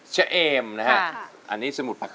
สวัสดีครับ